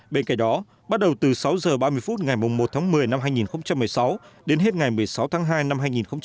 bên cạnh đó bắt đầu từ sáu h ba mươi phút ngày một tháng một mươi năm hai nghìn một mươi sáu đến hết ngày một mươi sáu tháng hai năm hai nghìn một mươi chín